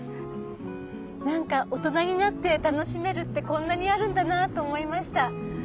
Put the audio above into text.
何か大人になって楽しめるってこんなにあるんだなと思いました。